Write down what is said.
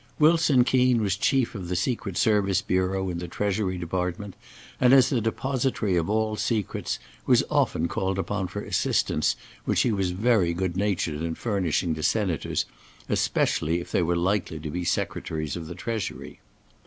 Wilson Keen was chief of the Secret Service Bureau in the Treasury Department, and, as the depositary of all secrets, was often called upon for assistance which he was very good natured in furnishing to senators, especially if they were likely to be Secretaries of the Treasury.